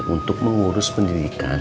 untuk mengurus pendidikan